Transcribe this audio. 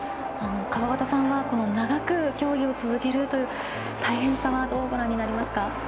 川端さんは長く競技を続けるという大変さは、どうご覧になりますか。